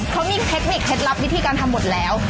เขามีเทคนิคเคล็ดลับวิธีการทำหมดแล้ว